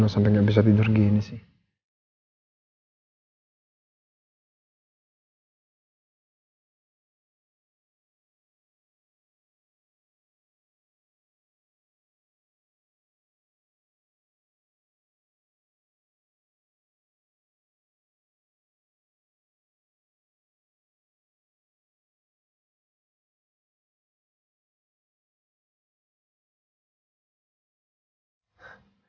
lu sampai gak bisa tidur gini sih